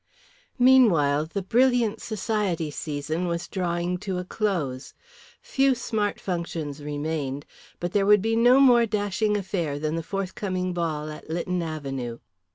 Meanwhile the brilliant society season was drawing to a close. Few smart functions remained, but there would be no more dashing affair than the forthcoming ball at Lytton Avenue.